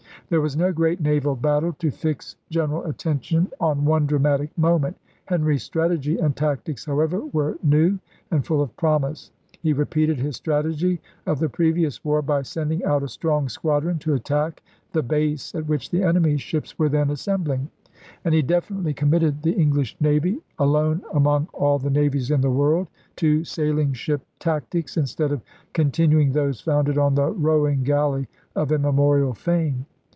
There was no great naval battle to fix general attention on one dramatic moment. Henry's strategy and tactics, however, were new and full of promise. He repeated his strategy of the previous war by sending out a strong squadron to attack the base at which the enemy's ships were then assembling; and he definitely committed the English navy, alone among all the navies in the world, to sailing ship tactics, instead of continuing those founded on the rowing galley of immemorial fame.